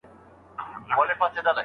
پدي اړه مختصر وضاحت کوو!